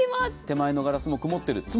手前のガラスも曇ってる。